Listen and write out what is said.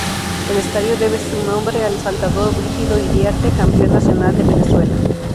El estadio debe su nombre al saltador Brígido Iriarte, campeón nacional de Venezuela.